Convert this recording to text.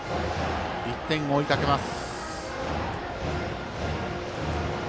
１点を追いかけます。